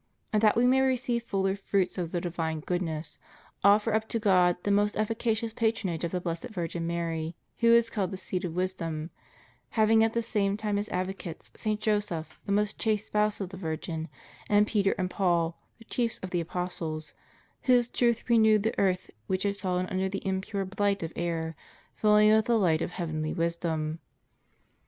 And that we may receive fuller fruits of the divine goodness, offer up to God the most efficacious patronage of the Blessed Virgin Mary, who is called the seat of wisdom; having at the same time as advocates St. Joseph, the most chaste spouse of the Virgin, and Peter and Paul, the chiefs of the apostles, whose truth renewed the earth, which had fallen under the impure blight of error, filling it with the light of heavenly wisdom.